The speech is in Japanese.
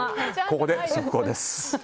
ここで速報です。